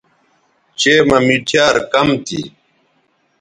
چئے مہ مِٹھیار کم تھی